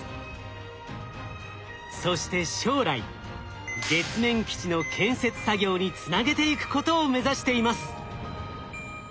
そして将来月面基地の建設作業につなげていくことを目指しています。